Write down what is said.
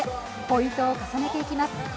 ポイントを重ねていきます。